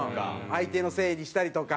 相手のせいにしたりとか。